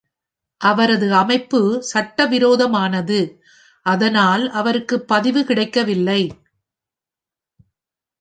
அவரது அமைப்பு சட்டவிரோதமானது அதனால் அவருக்கு பதிவு கிடைக்கவில்லை.